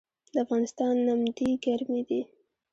د افغانستان نمدې ګرمې دي